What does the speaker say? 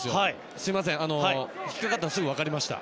すみません、引っかかったのすぐ分かりました。